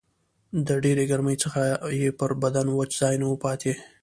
د ډېرې ګرمۍ څخه یې پر بدن وچ ځای نه و پاته